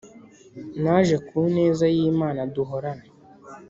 naje kuneza y'imana duhorana